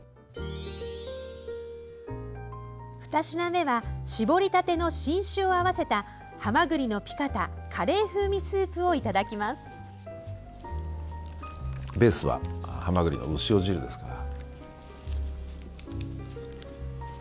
２品目はしぼりたての新酒を合わせた「はまぐりのピカタカレー風味スープ」をいただきます。